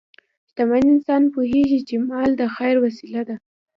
شتمن انسان پوهېږي چې مال د خیر وسیله ده.